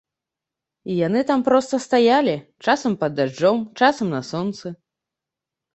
І яны там проста стаялі, часам пад дажджом, часам на сонцы.